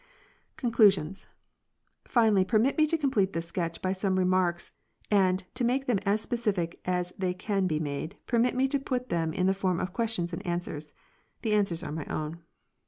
CONCLUSIONS. Finally, permit me to complete this sketch by some remarks ;_ and, to make them as specific as they can be made, permit me to put them in the form of questions and answers. The answers are my own.